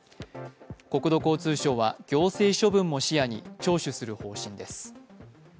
国土交通省は行政処分も視野に聴取する方針です。